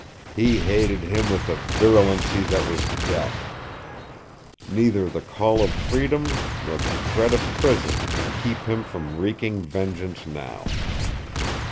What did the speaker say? He hated him with a virulency that was death. Neither the call of freedom nor the threat of prison could keep him from wreaking vengeance now.